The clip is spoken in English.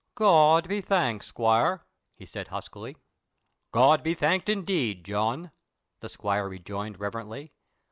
"God be thanked, squire!" he said huskily. "God be thanked, indeed, John!" the squire rejoined reverently.